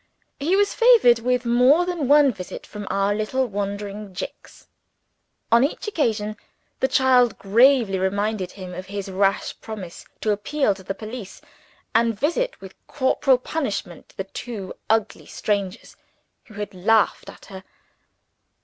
He was favored with more than one visit from our little wandering Jicks. On each occasion, the child gravely reminded him of his rash promise to appeal to the police, and visit with corporal punishment the two ugly strangers who had laughed at her.